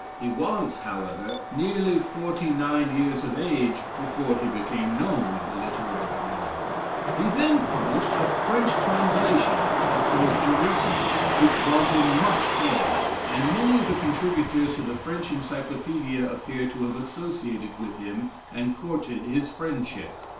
He was, however, nearly forty nine years of age before he became known in the literary world. He then published a French translation of Tasso's "Jerusalem," which brought him much fame; and many of the contributors to the French Encyclopaedia appear to have associated with him, and courted his friendship.